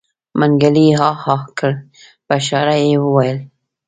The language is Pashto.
منګلي عاعاعا کړ په اشاره يې وويل.